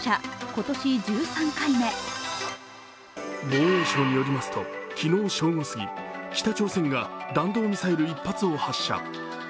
防衛省によりますと昨日正午過ぎ北朝鮮が弾道ミサイル１発を発射。